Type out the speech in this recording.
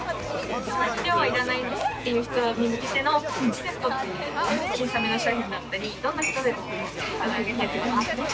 そんなに量はいらないっていう人に向けてのプチセットっていうのが小さめの商品だったりどんな人でも来ていただけると思います。